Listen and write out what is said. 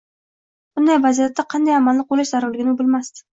Bunday vaziyatda qanday amalni qo‘llash zarurligini u bilmasdi.